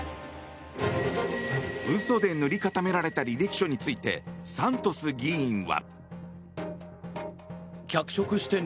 嘘で塗り固められた履歴書についてサントス議員は。